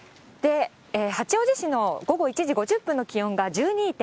八王子市の午後１時５０分の気温が１２．６度。